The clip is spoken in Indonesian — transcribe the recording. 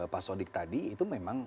pak sodik tadi itu memang